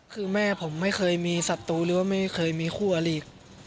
คือแม่ผมไม่เคยมีศัตรูหรือว่าไม่เคยมีคู่อลิ